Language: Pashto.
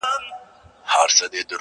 ته خبريې دلته ښخ ټول انسانان دي,